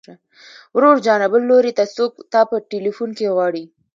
ورور جانه بل لوري ته څوک تا په ټليفون کې غواړي.